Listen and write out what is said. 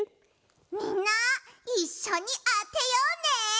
みんないっしょにあてようね。